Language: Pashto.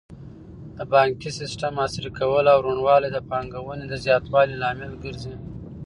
د بانکي سیسټم عصري کول او روڼوالی د پانګونې د زیاتوالي لامل ګرځي.